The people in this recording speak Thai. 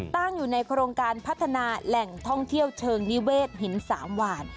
ตั้งอยู่ในโครงการพัฒนาแหล่งท่องเที่ยวเชิงนิเวศหินสามหวาน